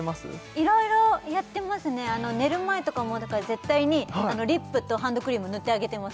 いろいろやってますね寝る前とかもだから絶対にリップとハンドクリーム塗ってあげてます